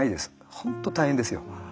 本当大変ですよ。